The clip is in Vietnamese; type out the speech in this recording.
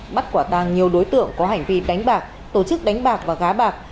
bắt quả tàng nhiều đối tượng có hành vi đánh bạc tổ chức đánh bạc và gá bạc